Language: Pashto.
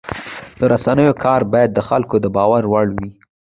د رسنیو کار باید د خلکو د باور وړ وي.